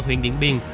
huyện điện biên